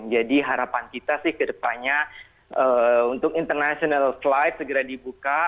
jadi harapan kita sih ke depannya untuk international slide segera dibuka